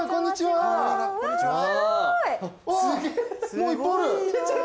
もういっぱいある。